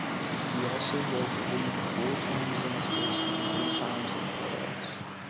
He also led the league four times in assists and three times in putouts.